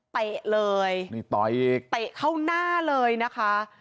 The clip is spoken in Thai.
เตะเลยเตะเข้าหน้าเลยนะคะ